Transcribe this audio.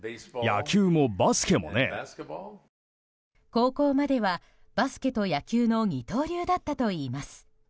高校まではバスケと野球の二刀流だったといいます。